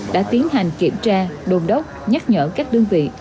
đã tiến hành kiểm tra đồn đốc nhắc nhở các đơn vị